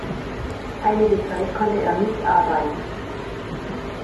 Einige Zeit konnte er nicht arbeiten.